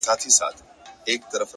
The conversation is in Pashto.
وخت د ژمنتیا اندازه ښکاره کوي,